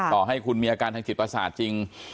ต่อให้คุณมีอาการทางจิตประสาทจริง